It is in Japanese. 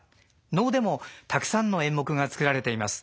能でもたくさんの演目が作られています。